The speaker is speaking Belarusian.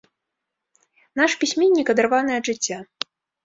Наш пісьменнік адарваны ад жыцця.